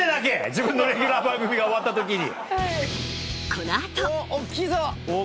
自分のレギュラー番組が終わった時に。